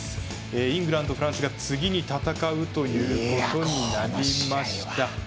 イングランド、フランスが次に戦うということになりました。